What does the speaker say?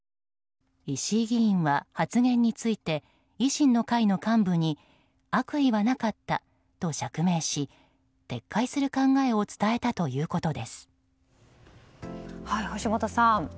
石井議員は発言について維新の会の幹部に悪意はなかったと釈明し撤回する考えを伝えた橋下さん